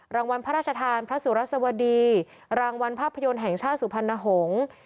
รางวัลพระราชทานพระสุรสวดีรางวัลภาพยนตร์แห่งชาติสุพรรณหงษ์